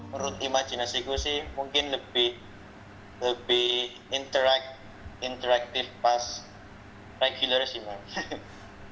menurut imajinasiku sih mungkin lebih interaktif pas regular sih mas